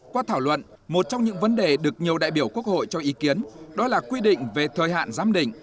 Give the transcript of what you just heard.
qua thảo luận một trong những vấn đề được nhiều đại biểu quốc hội cho ý kiến đó là quy định về thời hạn giám định